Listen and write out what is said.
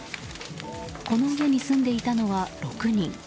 この家に住んでいたのは６人。